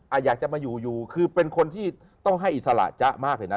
อยากจะมาอยู่อยู่คือเป็นคนที่ต้องให้อิสระจ๊ะมากเลยนะ